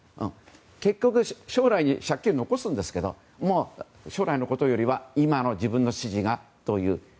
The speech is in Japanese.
結局、将来に借金を残しますけど将来のことよりは今の自分の支持がという。